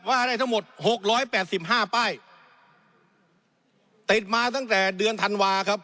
ว่าได้ทั้งหมด๖๘๕ป้ายเต็มมาตั้งแต่เดือนธันวาค์ครับ